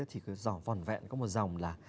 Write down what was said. thì có vỏn vẹn có một dòng là